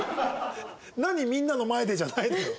「何みんなの前で」じゃないのよ。